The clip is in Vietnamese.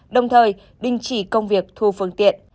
đồng thời đình chỉ công việc thu phương tiện